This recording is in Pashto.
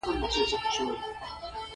د سرو غرونو افسانه د شجاعت یادګار ده.